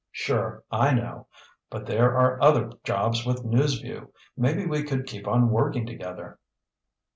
"Sure, I know. But there are other jobs with News Vue. Maybe we could keep on working together."